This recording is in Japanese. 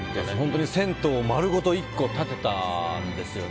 銭湯を丸ごと１棟建てたんです。